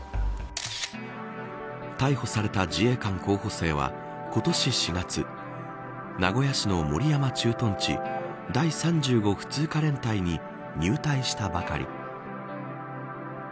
逮捕された自衛官候補生は今年４月名古屋市の守山駐屯地第３５普通科連隊に入隊したばかり。